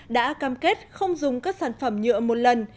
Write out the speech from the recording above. đã cam kết không dùng các sản phẩm nhựa một lần